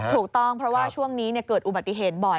ถูกต้องเพราะว่าช่วงนี้เกิดอุบัติเหตุบ่อย